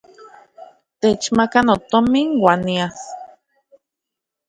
Techmaka notomin uan nias.